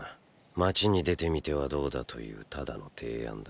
街に出てみてはどうだというただの提案だ。